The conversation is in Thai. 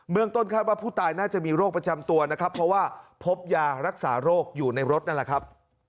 เมืองต้นคาดว่าผู้ตายน่าจะมีโรคประจำตัวนะครับเพราะว่าพบยารักษาโรคอยู่ในรถนั่นแหละครับ